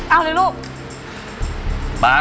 เอาเลยลูก